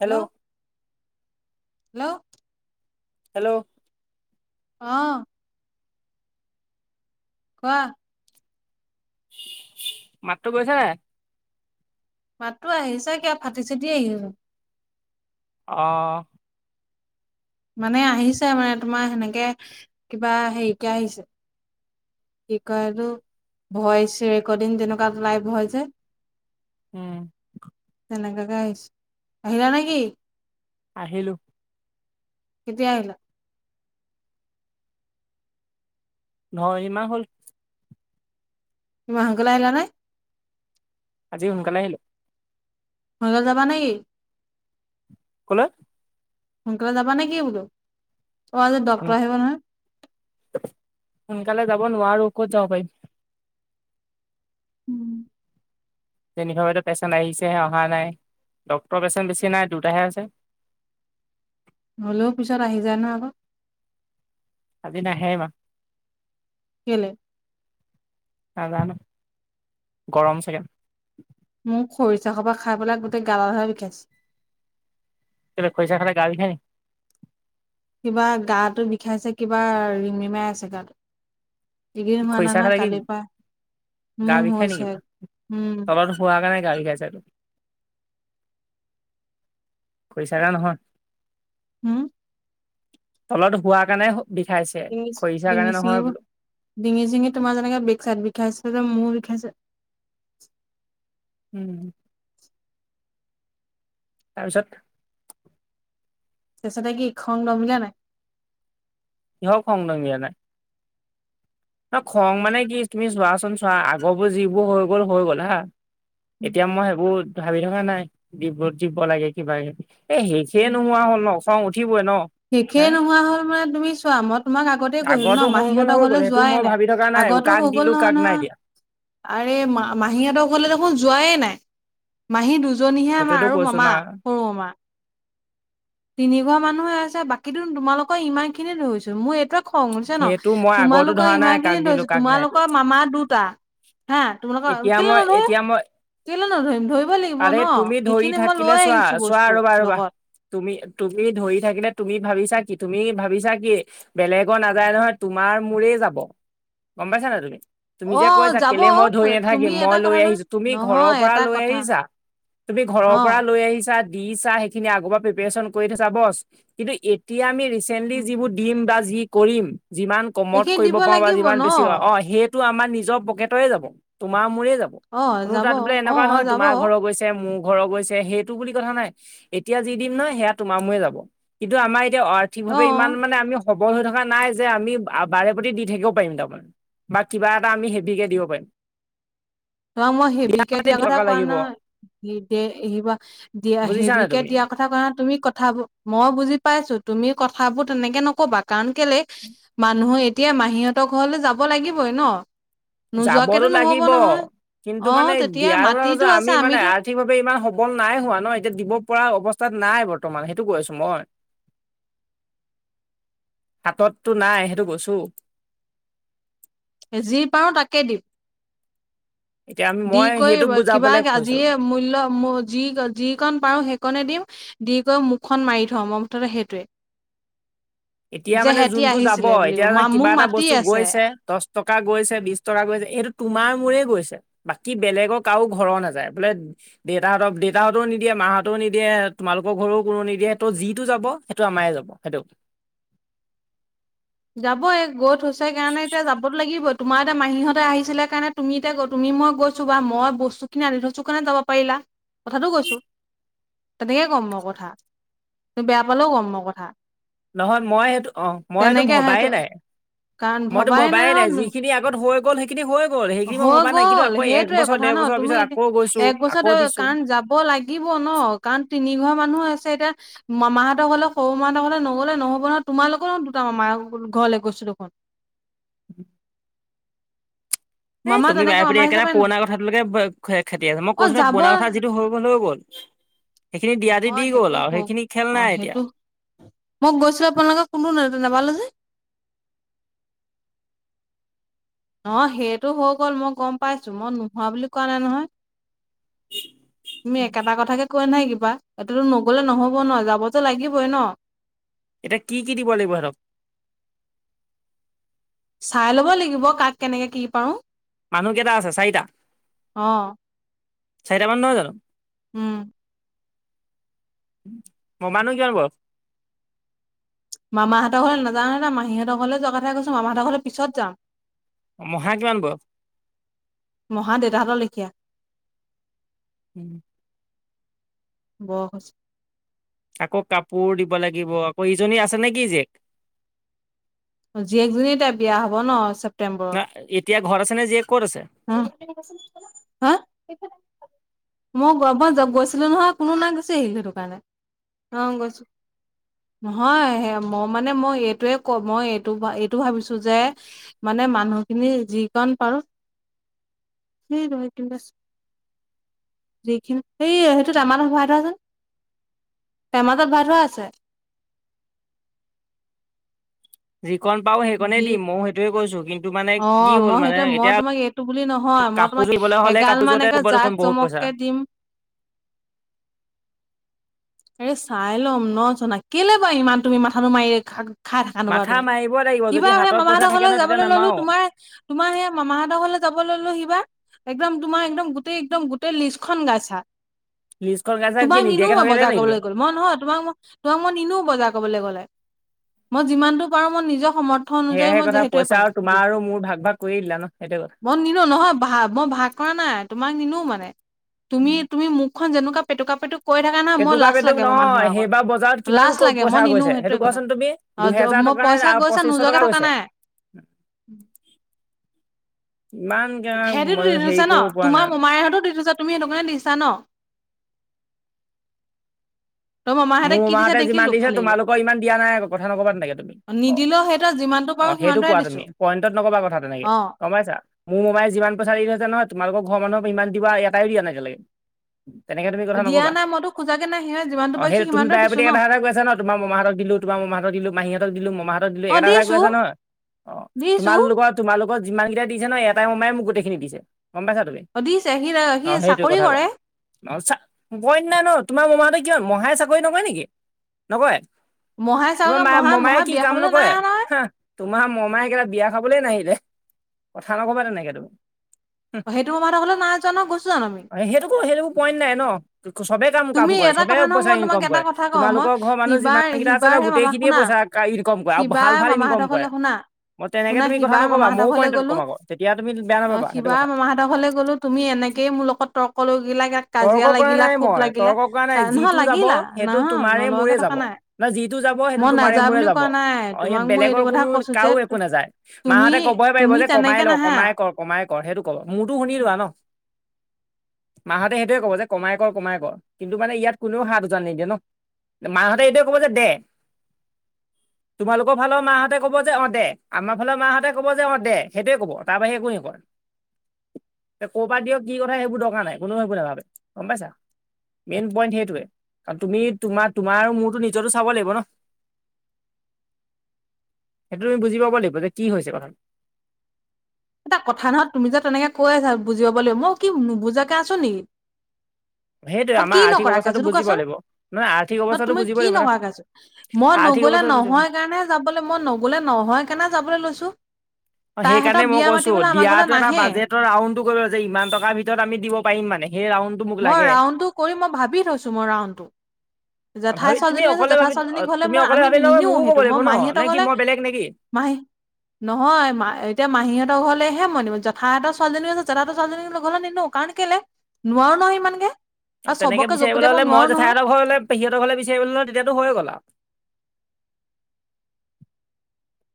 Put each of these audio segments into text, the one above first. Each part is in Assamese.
হেল্ল' হেল্ল' হেল্ল' অহ কোৱা মাতটো গৈছে নাই মাতটো আহিছে কিবা ফাটি চাটি আহিছে অহ মানে আহিছে মানে তোমাৰ সেনেকে কিবা হেৰীকে আহিছে কি কয় এইটো ভইচ ৰেকৰ্ডিং তেনেকুৱা লাইভ হয় যে উম তেনেকাকে আহিছে আহিলা নেকি আহিলো কেতিয়া আহিলা নহয় এইমাহ হ'ল ইমান সোনকালে আহিলা নে আজি সোনকালে আহিলো সোনকালে যাবা নে কি কলৈ সোনকালে যাবা নেকি বোলো অ আজি ডক্তৰ আহিব নহয় সোনকালে যাব নোৱাৰোঁ ক'ত যাব পাৰিম উম তেনেকুৱা হয়তো পেচেণ্ট আহিছেহে অহা নাই ডক্তৰৰ পেচেণ্ট বেছি নাই দুটাহে আছে [inaudible] হ'লেও পিছত আহি যায় নহয় আকৌ আজি নাহে ইমান কেলে নাজানো গৰম চাগে মোক খৰিচা সোপা খাই পেলাই গোটেই গাদাল হে বিষাইছে কেলে খৈচা খালে গা বিষাই নি কিবা গাটো বিষাইছে কিবা ৰিমৰিমাই আছে গাটো এইকেইদিন হোৱা খৰিচা নাই নহয় খালে কি কালিৰ পৰা গা মো বিষাই নেকি হৈছে বা আৰু উম তলত হোৱাৰ কাৰণে গা বিষাইছে। খৰিচা খাই নহয় হোম তলত শুৱা কাৰণে বিষাইছে ডিঙি খৰিচা ডিঙি কাৰণে নহয় চিঙিবোৰ বোলো ডিঙি চিঙি তোমাৰ যেনেকে বেগ চাইড বিষাইছে যে মোৰ বিষাইছে উম তাৰপিছত তাপিছতে কি খং ডমিলে নাই কিহ খং ডমিলে নাই নহয় খং মানে কি তুমি চোৱাচোন চোৱা আগবোৰ যিবোৰ হৈ গ'ল হৈ গ'ল হা এতিয়া মই সেইবোৰ ভাবি থকা নাই ডিব্ৰুত দিব লাগে কিবা কিবি এ শেষে নোহোৱা হ হ'ল ন খং উঠিবই ন হে শেষেই নোহোৱা হ'ল মানে তুমি চোৱা মই তোমাক আগতে কৈছোঁ ন আগৰটো হৈ গ'ল মাহীহঁতৰ হৈ গ'ল ঘৰলে সেইটো যোৱাই মই নাই ভাবি থকা নাই আগত তো কাক হৈ গ'ল দিলো নহয়- কাক নাই নহয় দিয়া আৰে মা- মাহীহঁতৰ ঘৰলে দেখোন যোৱাই নাই। মাহী দুজনীহে আমাৰ সেইটোতো আৰু কৈছো মামা না সৰু মামা। তিনি ঘৰ মানুহে আছে বাকীতো তোমালোকৰ ইমান খিনিয়ে ধৰিছো মই এইটোৱে খং উঠিছে সেইটো মই আগৰতো ধৰা ন'তোমালোকৰ নাই ইমান খিনি কাক দিলো ধৰিছে কাক নাই দিয়া তোমালোকৰ মামা দুটা হা, তোমালোকৰ এতিয়া কেলে মই নধৰো। এতিয়া মই কেলে নধৰিম ধৰিব লাগিব আৰে তুমি ন' ধৰি সেইখিনি মই থাকিলে লই চোৱা আহিছো চোৱা বস্তু ৰ'বা ৰ'বা লগত। তুমি তুমি ধৰি থাকিলে তুমি ভাবিছা কি তুমি ভাবিছা কি বেলেগ নাযায় নহয় তোমাৰ মোৰে যাব গম পাইছা নাই তুমি? তুমি অ যে কৈছা যাব কেলে মই ধৰি নাথাকিম তুমি মই এটা লৈ কথা নহয় আহিছো তুমি ঘৰৰ নহয় পৰা এটা লৈ কথা আহিছা তুমি ঘৰৰ অ পৰা লৈ আহিছা দিচা সেইখিনি আগৰ পৰা প্ৰিপেচন কৰি থৈছা বছ কিন্তু এতিয়া আমি ৰিচেন্টলি উম, যিবোৰ দিম বা যি কৰিম যিমান কমত এইখিনি কৰিব দিব পাৰো বা লাগিব যিমান ন বেছি অহ সেই টো আমাৰ নিজৰ পকেটৰে যাব তোমাৰ মোৰে যাব অ কোনো যাব তাত বোলে অ এনেকোৱা নহয় যাব তোমাৰ ঘৰৰ গৈছে মো ঘৰৰ গৈছে সেইটো বুলি কথা নাই এতিয়া যি দিম নহয় সেয়া তোমাৰ মোৰে যাব কিন্তু আমাৰ এতিয়া অ আৰ্থিকভাৱে ইমান তোমাক মানে আমি সবল হৈ থকা নাই যে আমি বাৰে প্ৰতি দি থাকিব পাৰিম তাৰমানে বা কিবা এটা আমি হেভিকে দিব পাৰিম তোমাক মই হেভিকে মানে দিয়া কথা টকা কোৱা লাগিব নাই হেভিকে দে এইবা দিয়া বুজিছা নাই হেভিকে তুমি দিয়া কথা কোৱা নাই তুমি কথা মই বুজি পাইছো তুমি কথাবোৰ তেনেকে নকবা কাৰণ কেলে মানুহে এতিয়া মাহীহঁতৰ ঘৰলৈ যাব লাগিবই ন' যাবতো নোযোৱাকেতো নহব লাগিব নহয় কিন্তু মানে অ', তেতিয়া দিয়াৰ মাটিতো মানে আছে আমি মানে আমিতো আৰ্থিকভাৱে ইমান সবল নাই হোৱা ন' এতিয়া দিব পৰা অৱস্থাত নাই বৰ্তমান সেইটো কৈ আছো মই। হাততটো নাই সেইটো কৈছো। যি পাওঁ তাকে দিম। এতিয়া আমি দি মই কৰি সেইটোক কিবা বুজাবলে কৈছো যিয়ে মূল্য যি যিকণ পাৰো সেইকণে দিম দি গৈ মুখখন মাৰি থম মই মুঠতে সেইটোৱে। এতিয়া যে মানে সেহতি যোনটো যাব আহিছিলে বুলিব এতিয়া ন কিবা মোক এটা মাতি বস্তু আছে গৈছে দছ টকা গৈছে বিছ টকা গৈছে এইটো তোমাৰ মোৰেই গৈছে। বাকী বেলেগক কাৰো ঘৰৰ নাযায় বোলে দেতাহতে দেউতাহঁতেও নিদিয়ে মাহঁতেও নিদিয়ে তোমালোকৰ ঘৰও কোনো নিদিয়ে সেইটো যিটো যাব সেইটো আমাৰে যাব সেইটো। যাবয়ে গৈ থৈছে কাৰণে এতিয়া যাবতো লাগিব। তোমাৰ এতিয়া মাহীহঁতে আহিছিলে কাৰণে তুমি এতিয়া তুমি মই গৈছো বা মই বস্তুখিনি আনি থৈছোঁ কাৰণে যাব পাৰিলা। কথাটো কৈছো তেনেকেই কম মই কথা বেয়া পালেও কম মই কথা নহয় মই সেইটো অহ মই সেইটো ভবাই নাই। মইতো ভবাই নাই যিখিনি আগত হৈ গ'ল সেইখিনি হৈ গ'ল সেইখিনি মই হৈ ভবা নাই কিন্তু গ'ল আকৌ সেইটোৱে একবছৰ কথা -দেৰ ন' তুমি এতিয়া এক বছৰত কাৰণ যাব লাগিব ন'কাৰণ তিনি ঘৰ মানুহ আছে এতিয়া মামাহঁতৰ ঘৰলে সৰু মাহঁতৰ ঘৰলে নগ'লে নহ'ব নহয় তোমালোকৰো দুটা মামা ঘৰলে গৈছো দেখোন। এ মামা তুমি তেনেকে বাৰেপতি মামা একেটা হিচাপে না পুৰণা কথাটোলৈকে খেতি আছে মই অ কৈছো ন যাব পুৰণা কথা যিটো হৈ গ'ল- হৈ গ'ল। সেইখিনি দিয়া নহয় দি সেইটো গ'ল আৰু হওক সেইখিনি খেল অ নাই এতিয়া। সেইটো মই গৈছিলো আপোনালোক কোনো নাপালো যে ন' সেইটো হৈ গ'ল মই গম পাইছো মই নোহোৱা বুলি কোৱা নাই নহয় [inaudible] তুমি একেটা কথাকে কৈ নাথা ৱাহএইটোতো নগলে নহব ন' যাবতো লাগিবই ন'। এতিয়া কি- কি দিব লাগিব হেতক? চাই লব লাগিব কাক কেনেকে কি পাৰো। মানুহ কেইটা আছে চাৰিটা অ -চাৰিটা মানুহ নহয় জানো? উম মমানো কিমান বয়স? মামাহঁতৰ ঘৰলে নাযাওঁ নহয়, মাহীহঁতৰ ঘৰলে যোৱা কথা কৈ ত মামাহঁতৰ ঘৰলে পিছত যাম। মহা কিমান বয়স মহা দেউতাহঁতৰ লেখিয়া। উম। বয়স হৈছে। আকৌ কাপোৰ দিব লাগিব। আকৌ এইজনী আছে নেকি জীয়েক জীয়েকজনী এতিয়া বিয়া হব ন' ছেপ্তেম্বৰত না এতিয়া ঘৰত আছে নে জীয়েক? ক'ত আছে? হা? মই গ- মই য- গৈছিলোঁ নহয়। কোনো নাই, গুচি আহিলোঁ সেইটো কাৰণে। অ' গৈছো। নহয়, সে- মই মানে মই এইটোৱে ক- মই এইটো- এইটো ভাবিছোঁ যে মানে মানুহখিনি যিকণ পাৰোঁ, সেইটোৱে [inaudible] যিখিনি- সেই- সেইটো টেমাটো ভৰাই থোৱাচোন। টেমাটোত ভৰাই থোৱা আছে। [inaudible] কণ পাওঁ সেইকণেই যি দিম। ময়ো সেইটোৱে কৈছোঁ। কিন্তু মানে কি অ', হ'ল মই মানে, সেইটোৱে মই এতিয়া তোমাক এইটো বুলি নহয় মই কাপো পোৰ তোমাক কিনিবলৈ হ'লে, এগাল মান কাপোৰযোৰতে একে হব জাক দেখোন বহুত পইচা। জমককে দিম। এ চাই ল'ম ন' জনা, কেলেই বা ইমান তুমি মাথাটো মাৰি খা- খাই থাকা নো বাৰু মাথা তুমি? মাৰিব লাগিব যদি সিবাৰ সেই হাতত পইচা মামাহঁতৰ থাকে ঘৰলৈ ন তেতিয়া যাবলৈ ললোঁ, নামাৰো। তোমাৰ- তোমাৰ সেয়া মামাহঁতৰ ঘৰলৈ যাব ললোঁ সিবাৰ একদম তোমাৰ একদম গোটেই একদম গোটেই লিষ্টখন গাইছা। লিষ্টখন গাইছা, কি নিদিয়াকে থাকিলেনি কবলৈ গ'ল। মই নহয়, তোমাক ম- তোমাক মই নিনো বজাৰ কৰিবলৈ গ'লে। মই যিমানটো পাৰো মই নিজৰ সমৰ্থ অনুযায়ী সেয়াহে মই কথা যিহেতুএ পইচা পাইম আৰু তোমাৰ দিম। আৰু মোৰ ভাগ ভাগ কৰি দিলা ন সেইটো কথা। মই নিনো নহয় ভা- মই ভ ভাগ কৰা নাই। তোমাক নিনো মানে। তুমি- তুমি মুখখন যেনেকুৱা পেটুকা-পেটু কৈ থকা না, মই লা পেটুকা জ পেটুক লাগে মোৰ মানুহৰ নহয় আগত। সেইবাৰ বজাৰত কিমান লাজ ক লাগে। মই পইচা নিনোঁ গৈছে সেইটো সেইটোৱে কথা। কোৱাচোন তুমি? অ' য- দুহেজাৰ মই টকা নে পইচা গৈছে পঁচিছশ যোৱাকে টকা থকা গৈছে। নাই। ইমান [unintelligible] হেৰি দিছো ন'? কৰিব পৰা তোমাৰ নাই। মোমাইহঁতো দি ছে। তুমি সেইটো কাৰণে দিছা ন'? তই মমাহঁতে মোৰ কি দিছে মোমাহঁতে যিমান দেখিলো দিছে, ফালিলে তোমালোকৰ ইমান দিয়া নাই আকৌ। কথা নকবা তেনেকে তুমি। অ'। নিদিলেও সিহঁতৰ যিমানটো পাৰো অ' সেইটো সিমানটোৱে কোৱা দিছো তুমি। পইণ্টত নকবা কথা তেনেকে। অ গম পাইছা? মোৰ মোমাই যিমান পইচা দি থৈছে নহয়, তোমালোকৰ ঘৰৰ মানুহক সিমান কিবা এটাও দিয়া নাই এতিয়ালেকে। দিয়া নাই। মইতো খোজাকে নাই। সিয়ে যিমান অ' সেইটো তুমি বাৰেপ্ৰতি এটা কথাই কৈ আছা ন', তোমাৰ মোমাহঁতক দিলোঁ - তোমাৰ মোমাহঁতক দিলোঁ, মাহীহঁতক দিলোঁ, মোমাহঁতক দিলোঁ অ এটা কথাই কৈ দিছো আছা ন'? অ'। দিছো তোমালোকৰ- তোমালোকক যিমান কেইটা দিছে নহয়, এটা মোমাই মোক গোটেইখিনি দিছে। গম পাইছা তুমি? অ দিছে সি সি অ' সেইটোৱে চাকৰি কথা কোৱা। কৰে আৰু চা- [unintelligible] নাই ন'? তোমাৰ মোমাহঁতে কিয়, মহাই চাকৰি নকৰে নেকি? নকৰে মহাই চাকৰি তোমাৰ কৰে, মায়ে- মহা মোমায়ে মহা কি বিয়া কাম খাবলৈ নাই নকৰে? অহা নহয় হা। তোমাৰ মোমায়ে কেলা বিয়া খাবলে নাহিল নে? কথা নকবা তেনেকে তুমি। হু। সেইটো মমাহঁতৰ ঘৰলে নাই যোৱা নহয় গৈছো জানো আমি সেইটোকো- সেইটো একো পইণ্ট নাই ন'। ক- চবেই কাম- কাম তুমি কৰে। এটা চবে কথা নহয় পইচা মই তোমাক ইনকম এটা কৰে। কথা কওঁ মই তোমালোকৰ ঘৰৰ মানুহ সিবাৰ যিমান কেইটা আছে সিবাৰ ন', হে মামা গোটেইখিনিয়ে পইচা কা- ইনকম কৰে। আৰু ভাল - ভাল ইনকম কথা কৰে কলে শুনা মই তেনেকে শুনা, তুমি কথা সিবাৰ নকবা মামাহঁতৰ ময়ো ঘৰলে পইণ্টত গ'লোঁ। কম আকৌ তেতিয়া তুমি বেয়া অ' নাপাবা সেইটো সিবাৰ কথা মামাহঁতৰ ঘৰলে গ'লোঁ। তুমি এনে নেকেইে মোৰ লগত তৰ্ক লগিলাগে, কাজিয়া লাগিলা, খুব লাগিলা। কাৰ নহয় তো যাব, লাগিলা সেইটো নাহ তোমাৰে নলগাকে মোৰে যাব। থকা নাই ন' যিটো যাব, সেইটো মই তোমাৰে নাযাওঁ মোৰে বুলি যাব। কোৱা নাই অ' ইয়াত তোমাক মই বেলেগ এইটো তোমাৰ কথা কোনো কৈছো যে কাও একো নাযায়। তুমি মাহঁতে ক'বই পাৰিব তুমি যে কমাই তেনেকে ল', নাহা কমাই কৰ, কমাই কৰ। সেইটো ক'ব। মোৰতো শুনি লোৱা ন'। মাহঁতে সেইটোৱে ক'ব যে কমাই ক', কমাই ক'। কিন্তু মানে ইয়াত কোনেও হাত উজান নিদিয়ে ন'? মাহঁতে এইটোৱে কব যে দে। তোমালোকৰ ফালৰ মাহঁতে ক'ব যে, অ' দে। আমাৰ ফালৰ মাহঁতে কব যে, অ' দে। সেইটোৱে কব, তাৰ বাহিৰে একো নকয়। [unintelligible] ক পা দিয় কি কথা সেইবোৰ দৰকাৰ নাই কোনো একো নাভাবে গম পাইছা মেইন পইণ্ট সেই। টোৱে কাৰণ তুমি তোমাৰ তোমাৰ মোৰতো নিজৰটো চাব লাগিব ন। সেইটো তুমি বুজি পাব লাগিব যে কি হৈছে কথাটো। এটা কথা নহয় তুমি যে তেনেকে কৈ আছা বুজি পাব লাগিব মই কি নুবুজাকে আছো নেকি। সেইটোৱে মই আমাৰ কি আৰ্থিক নকৰা আছো অৱস্থাটো সেইটো বুজি পাব কোৱাচোন লাগিব নহয় আৰ্থিক অৱস্থাটো তুমি বুজিব কি লাগিব ন নকৰা আছো মই। মই আৰ্থিক নগলে অৱস্থাটো বুজিব নহয় কাৰণে যাবলে মই নগলে নহয় কাৰণে যাবলে লৈছো। অ তাইহঁতৰ সেইকাৰণে মই বিয়া কৈছো। মাতিবলৈ আমাৰ ঘৰলৈ দিয়াতটো এটা নাহে বাজেটৰ ৰাউনটো কৰিব যে ইমান টকাৰ ভিতৰত আমি দিব পাৰিম মানে সেই। ৰাউণ্ডটো মোক মই লাগে ৰাউণ্ডটো কৰি মই ভাবি থৈছোঁ মই ৰাউণ্ডটো। ভাবি জেঠাই তুমি ছোৱালীজনী আছে অকলে জেঠাই ভাবি ছোৱালী অ, জনী ঘলে তুমি মই অকলে আমি ভাবিলে নহয় মোকো নিনোও ক'ব সেইটো লাগিব মই ন মাহী নে হঁতৰ কি ঘলে। মই বেলেগ নেকি মাহী নহয় এতিয়া মাহীহঁতৰ ঘৰলেহে। মই জেঠাই হঁতৰ ছোৱালীজনী আছে জেঠাই ছোৱালীজনী ঘৰলে নিনো কাৰণ কেলে নোৱাৰো নহয় সিমানকে। তেনেকে বিচাৰিবলৈ হলে মই জেঠাই হঁতৰ ঘৰলে পেহী হঁতৰ ঘৰলে বিচাৰিব হ'লে তেতিয়াতো হৈ গ'ল আও। [unintelligible]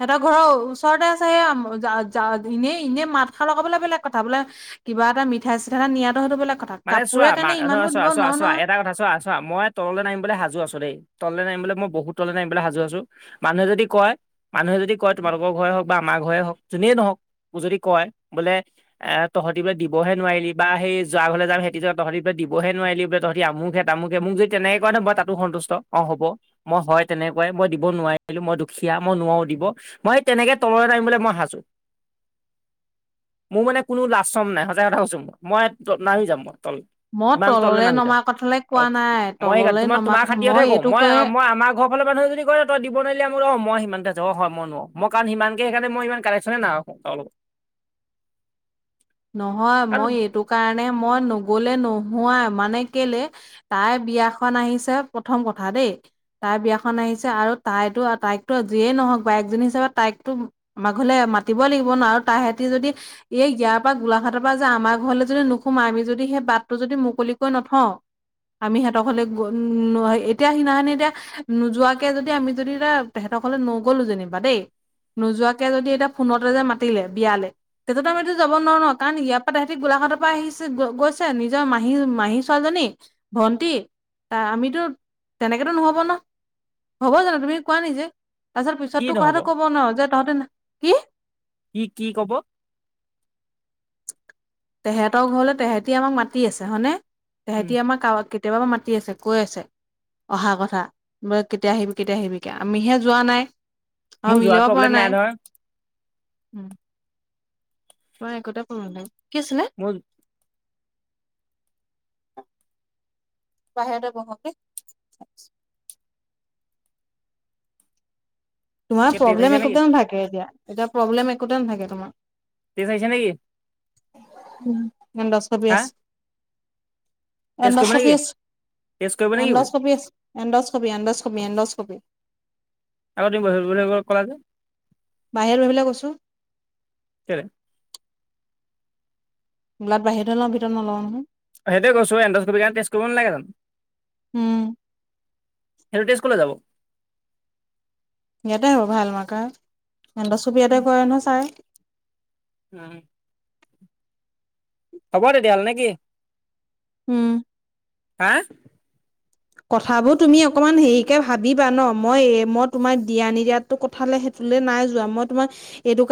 সিহঁতৰ ঘৰৰ ওচৰতে আছে সেইয়া যা যা ভিনেই এনেই মাত খা লগাবলে বেলেগ কথা বোলে। কিবা এটা মিঠাই চিঠা এটা নিয়াত। মানে চোৱা মা এটা কথা চোৱা চোৱা নোৱাৰো চোৱা নহয় এটা কথা চোৱা চোৱা মই তললৈ নামিবলৈ সাজু আছো দেই। তলে নামিবলৈ মই বহুত তলে নামিবলৈ সাজু আছো মানুহে যদি কয় মানুহে যদি কয় তোমালোকৰ ঘৰে হওক বা আম। ঘৰে হক যোনে নহক যদি কয় বোলে এ তহতি বোলে দিবহে নোৱাৰিলি বা সেই। যা ঘৰলে যাম হেতি যে তহঁতি পৰা দিবহে নোৱাৰিলি তহতি আমুহে তামুকে মোক যদি তেনেকে কয় নহয় মই তাতো সন্তুষ্ট অ স। হ'ব মই হয় তেনেকুৱাই মই দিব নোৱাৰিলো মই দুখীয়া মই নোৱাৰো দিব মই তেনেকে তল। মই সাজু মোৰ মানে কোনো লাজ চৰম নাই সচাই কথা কছো মই। নামি যাম মই তল। মই ইমান তললে নামি নমা যাম কথালে কোৱা আৰু নাই মই তললে তোম নমা তোমাৰ কথা খাতিৰতহে কওঁ এইটো মই কয় মই আমাৰ ঘৰ ফাল পা। যদি কৰে তই দিব নোৱাৰিলে মোৰ সময় সিমান। হয় মই নোৱাও মই কাৰণ সিমানকে সেইকাৰণে মই ইমান কাৰেকশচনে নাই কাৰো লগত। নহয় মই কাৰণ এইটো কাৰণে। মানে মই নগলে নোহোৱাাই মানে কেলে তাই বিয়াখন আহিছে প্ৰথম কথা। দেই তাই বিয়াখন আহিছে আৰু তাইতো তাইকো যিয়েই নহওক বা একজনী হিচাপে তাইকতো। মাঘলে মাতি লাগিব ন আৰু তাৰ হেতি যদি এই ইয়াৰ। পৰা গোলাঘাটৰ পৰা যে আমাৰ ঘৰলৈ যদি নোসোমা আমি যদি সেই বাটটো যদি মুকলিকৈ নথওঁ। আমি সিহতক হ'লে এতিয়া সিদিনাখি এতিয়া নোযোৱাকে যদি আমি যদি এতিয়া। তেকলে নগলো যেনিবা দেই। নোযোৱাকে যদি এতিয়া ফোনতে যে মাতিলে বিয়ালে তেতিয়া তুমি এইটো যাব। নোৱাৰো ন কাৰণ ইয়াৰ পৰা তাহাতি গোলাঘাটৰ পৰা আহিছে গৈছে নিজৰ মাহী মাহী ছোৱালী। ভন্টি আমিতো তেনেকো নহ'ব ন। হ'ব জানা তুমি কোৱা নি যে। তাৰ পিছত পিছত কি তো নহ'ব কথাটো কব নোৱাৰ যে তহঁতে কি। কি কি ক'ব তেহেতৰ ঘৰলে তেহেতি আমাক মাতি আছে হয়নে। উম তাহেতি আমাৰ কৱাক কেতিয়াবা মাতি আছে কৈ আছে। অহা কথা কেতিয়া আহিবি কেতিয়া আহিবি কে আমিহে যোৱা নাই। অ মোৰ যোৱাত মিলাব পৰা প্ৰব্লেম নাই নহয় উম। মই একোতোই পুৰাল কি আছিলে। মোৰ [unintelligible] বাহিৰতে বহকে দেই। তোমাৰ তেজ আহিছে প্ৰব্লেম নেকি একোতে নাথাকে এতিয়া এতিয়া প্ৰব্লেম একোতে নাথাকে তোমাৰ। তে লাগিছে নেকি। উম ন দহ হা চভিয়ছ। তেজ কৰিব এডি নেকি আছে তেজ কৰিব নেকি এড আছ বোলো এডবি এড এড। [unintelligible] আকৌ তুমি বহিব কলা যে। বাহিৰত বহিব কৈছোঁ। কেলে? গোলাত বাহিৰতে লওঁ ভিতৰত নলওঁ নহয়। সেইটো কৈছো দশ কবি তেছ কৰিব নালাগে জানো। উম সেইটো তেজ কলে যাব? ইয়াতে হ'ব ভাল মাকা এটা চুবী ইয়াতে কৰে নয় চাই? উম। হ'ব তেতিয়া হ'ল নেকি? উম। হা? কথাবোৰ তুমি অকমান হেৰিকে ভাবিবা ন মই মই তোমাৰ দিয়া নিদিয়াতো কথালে হে নাই যোৱা মই তোমাৰ এইটো কা